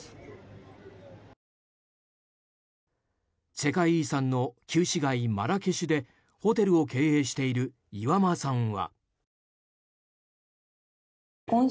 世界遺産の旧市街マラケシュでホテルを経営している岩間さんは。